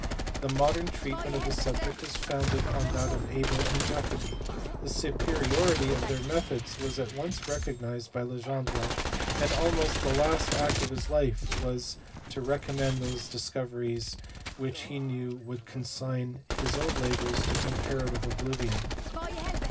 The modern treatment of the subject is founded on that of Abel and Jacobi. The superiority of their methods was at once recognized by Legendre, and almost the last act of his life was to recommend those discoveries which he knew would consign his own labours to comparative oblivion.